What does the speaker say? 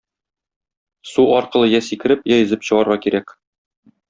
Су аркылы я сикереп, я йөзеп чыгарга кирәк.